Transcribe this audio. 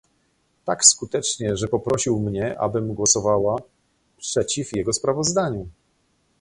Tak skutecznie, że poprosił mnie, abym głosowała przeciw jego sprawozdaniu